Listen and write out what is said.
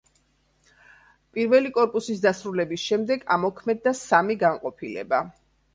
პირველი კორპუსის დასრულების შემდეგ ამოქმედდა სამი განყოფილება.